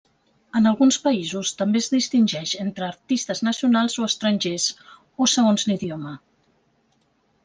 En alguns països també es distingeix entre artistes nacionals o estrangers, o segons l'idioma.